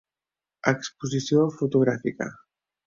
Exposició fotogràfica.